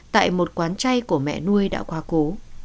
tại một quán chay của mẹ nuôi đã quá cố